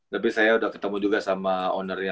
tapi saya udah ketemu juga sama ownernya